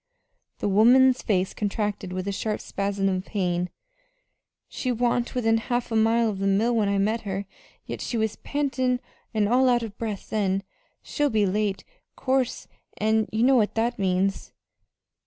The woman's face contracted with a sharp spasm of pain. "She wa'n't within half a mile of the mill when I met her, yet she was pantin' an' all out o' breath then. She'll be late, 'course, an' you know what that means."